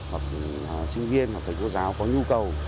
hoặc sinh viên hoặc thầy cô giáo có nhu cầu